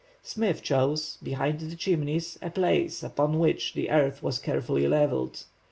Smith chose, behind the Chimneys, a place upon which the earth was carefully levelled.